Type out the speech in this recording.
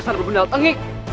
dasar berbendal tengik